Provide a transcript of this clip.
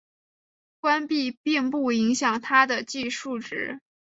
关闭并不影响它的计数值。